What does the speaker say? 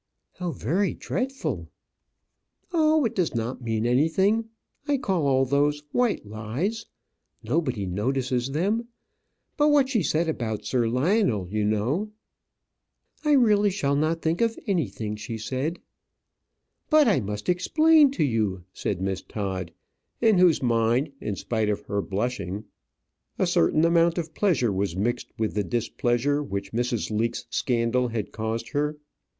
"How very dreadful!" "Oh; it does not mean anything. I call all those white lies. Nobody notices them. But what she said about Sir Lionel, you know " "I really shall not think of anything she said." "But I must explain to you," said Miss Todd, in whose mind, in spite of her blushing, a certain amount of pleasure was mixed with the displeasure which Mrs. Leake's scandal had caused her.